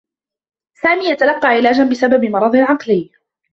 سامي يتلقّى علاجا بسبب مرض عقلي.